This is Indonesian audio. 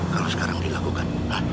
kalau sekarang dilakukan